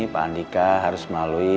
pak andika harus melalui